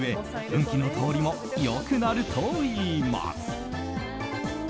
運気の通りも良くなるといいます。